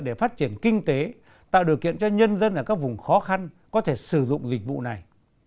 để phát triển kinh tế tạo điều kiện cho nhân dân ở các vùng khó khăn có thể sử dụng dịch vụ này